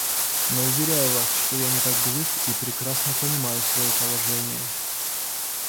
Но уверяю вас, что я не так глуп и прекрасно понимаю свое положение.